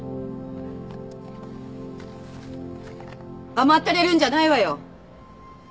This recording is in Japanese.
甘ったれるんじゃないわよ！